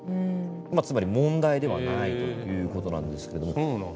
つまり問題ではないということなんですけども。